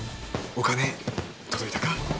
お金届いたか。